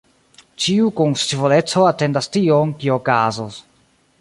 Ĉiu kun scivoleco atendas tion, kio okazos.